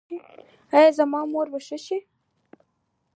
ایا زما مور به ښه شي؟